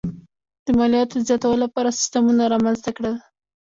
د مالیاتو د زیاتولو لپاره سیستمونه رامنځته کړل.